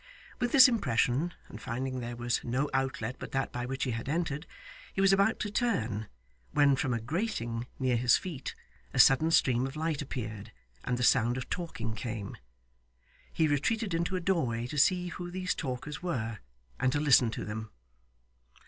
With this impression, and finding there was no outlet but that by which he had entered, he was about to turn, when from a grating near his feet a sudden stream of light appeared, and the sound of talking came. He retreated into a doorway to see who these talkers were, and to listen to them.